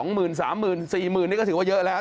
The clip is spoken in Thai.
๒หมื่น๓หมื่น๔หมื่นนี่ก็ถือว่าเยอะแล้ว